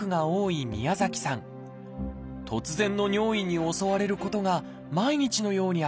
突然の尿意に襲われることが毎日のようにありました。